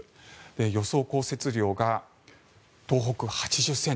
予想降雪量が東北８０ｃｍ